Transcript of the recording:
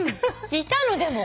いたの？でも。